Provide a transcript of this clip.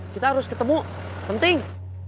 kita harus ketemu penting